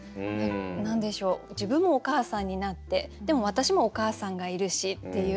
何でしょう自分もお母さんになってでも私もお母さんがいるしっていう。